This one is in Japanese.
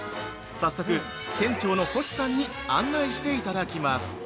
早速、店長の星さんに案内していただきます。